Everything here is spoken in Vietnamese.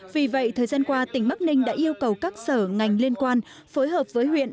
vì vậy thời gian qua tỉnh bắc ninh đã yêu cầu các sở ngành liên quan phối hợp với huyện